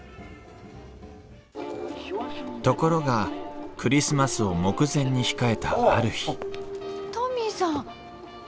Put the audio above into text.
ところがクリスマスを目前に控えたある日トミーさん。